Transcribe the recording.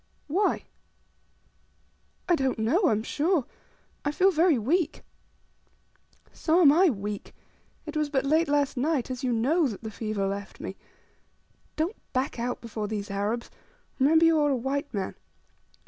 "Why?" "I don't know, I am sure. I feel very weak." "So am I weak. It was but late last night, as you know, that the fever left me. Don't back out before these Arabs; remember you are a white man.